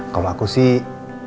kalo aku sih